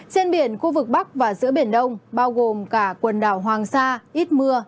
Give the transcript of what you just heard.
trên biển khu vực bắc và giữa biển đông bao gồm cả quần đảo hoàng sa ít mưa